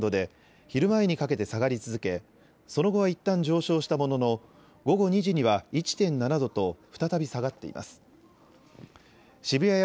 東京都心の気温は午前５時は４．３度で昼前にかけて下がり続け、その後はいったん上昇したものの午後２時には１．７度と再び下がっています。